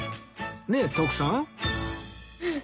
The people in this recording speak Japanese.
ねえ徳さん